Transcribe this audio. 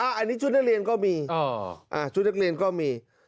อันนี้ชุดนักเรียนก็มีชุดนักเรียนก็มี